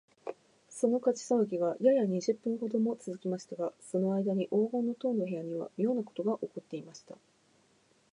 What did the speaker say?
その火事さわぎが、やや二十分ほどもつづきましたが、そのあいだに黄金の塔の部屋には、みょうなことがおこっていました。